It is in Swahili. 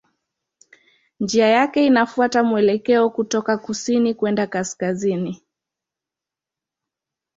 Njia yake inafuata mwelekeo kutoka kusini kwenda kaskazini.